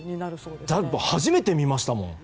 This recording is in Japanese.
だって僕初めて見ましたもん！